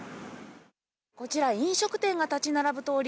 こちら、飲食店が建ち並ぶ通り。